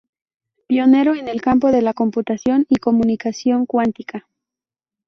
Pionero en el campo de la computación y comunicación cuántica.